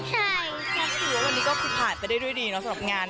คือว่าวันนี้คุณผ่านไปได้ด้วยดีสำหรับงาน